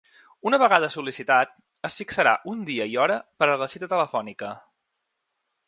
Una vegada sol·licitat, es fixarà un dia i hora per a la cita telefònica.